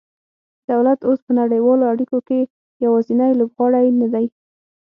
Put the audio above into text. دولت اوس په نړیوالو اړیکو کې یوازینی لوبغاړی نه دی